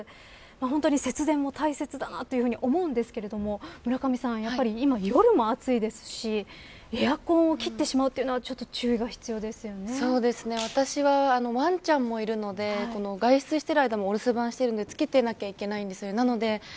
本当に節電も大切だなと思うんですが村上さん、今、夜も暑いですしエアコンを切ってしまうというのは私はわんちゃんもいるので外出している間もお留守番しているんでつけていないといけないんですね。